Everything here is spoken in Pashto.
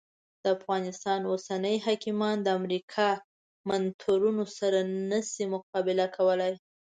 د افغانستان اوسني حاکمان د امریکا له منترونو سره نه سي مقابله کولای.